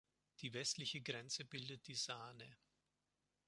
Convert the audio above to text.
Die westliche Grenze bildet die Saane.